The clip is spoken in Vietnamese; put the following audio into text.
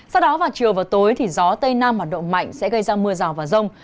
sau đó vào chiều và tối gió tây nam hoạt động mạnh sẽ gây ra mưa rào và rông